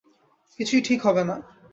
কিছুই ঠিক হবে না।